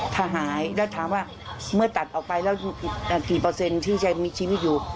ถ้าหายแล้วถามว่าเมื่อตัดออกไปแล้วกี่เปอร์เซ็นต์ที่จะมีชีวิตอยู่